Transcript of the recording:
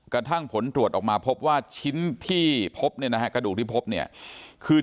กระทั่งผลตรวจออกมาพบว่าชิ้นที่พบคือ